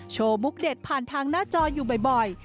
มุกเด็ดผ่านทางหน้าจออยู่บ่อย